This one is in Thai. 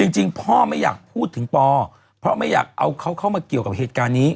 จริงพ่อไม่อยากพูดถึงปอเพราะไม่อยากเอาเขาเข้ามาเกี่ยวกับเหตุการณ์นี้